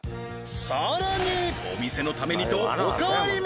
さらにお店のためにとおかわりも！